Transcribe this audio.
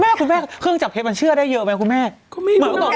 แม่ขุนแม่เครื่องจับเพชรมันเชื่อได้เยอะไหม